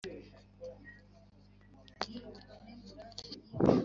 kwitwa umwana w’umunyarwanda